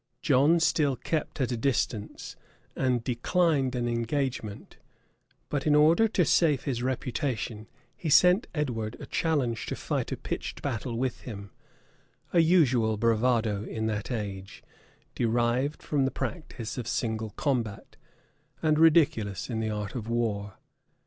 [] John still kept at a distance, and declined an engagement: but in order to save his reputation, he sent Edward a challenge to fight a pitched battle with him; a usual bravado in that age, derived from the practice of single combat, and ridiculous in the art of war.